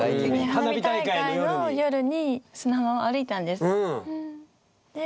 花火大会の夜に砂浜を歩いたんです。